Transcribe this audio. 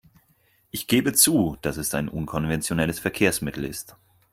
Ich gebe zu, dass es ein unkonventionelles Verkehrsmittel ist.